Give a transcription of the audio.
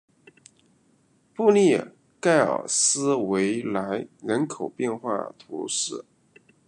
布利盖尔斯维莱人口变化图示